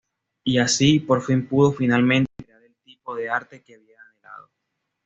Y así Por fin, pudo finalmente crear el tipo de arte que había anhelado.